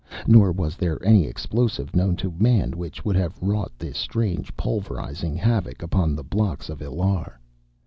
Nor was there any explosive known to man which would have wrought this strange, pulverizing havoc upon the blocks of Illar.